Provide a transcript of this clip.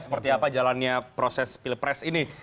seperti apa jalannya proses pilpres ini